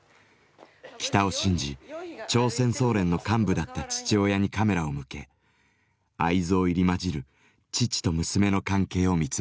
北を信じ朝鮮総連の幹部だった父親にカメラを向け愛憎入りまじる父と娘の関係を見つめました。